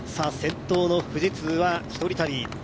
先頭の富士通は１人旅。